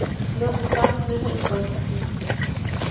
"Non estamos nesa hipótese".